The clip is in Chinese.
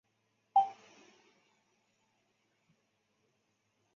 袁敬华是高中学历。